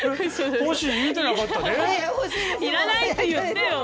要らないって言ってよ。